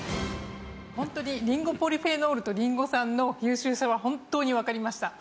本当にリンゴポリフェノールとリンゴ酸の優秀さは本当にわかりました。